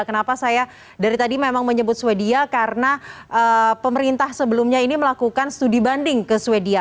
kenapa saya dari tadi memang menyebut sweden karena pemerintah sebelumnya ini melakukan studi banding ke sweden